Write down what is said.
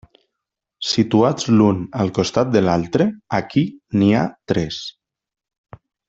Situats l'un al costat de l'altre, aquí n'hi ha tres.